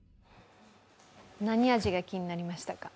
何味が気になりましたか？